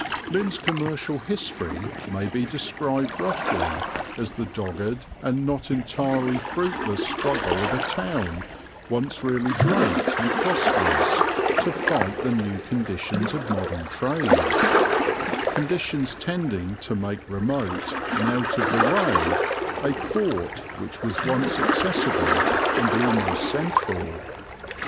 Lynn's commercial history may be described roughly as the dogged and not entirely fruitless struggle of a town once really great and prosperous to fight the new conditions of modern trade, conditions tending to make remote and out of the way a port which was once accessible and almost central.